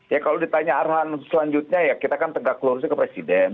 ya kalau ditanya arahan selanjutnya ya kita kan tegak ke luar suhu ke presiden